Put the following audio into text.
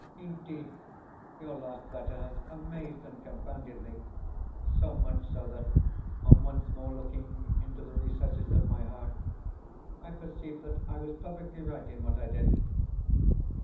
Indeed, your last letter has amazed and confounded me, so much so that, on once more looking into the recesses of my heart, I perceive that I was perfectly right in what I did.